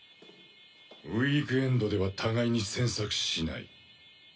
ウィークエンドでは互いに詮索しない。